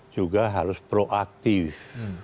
juga harus proaktif